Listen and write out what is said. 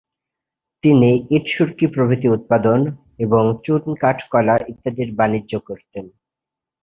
তিনি ইট-সুরকি প্রভৃতি উৎপাদন এবং চুন, কাঠ, কয়লা ইত্যাদির বাণিজ্য করতেন।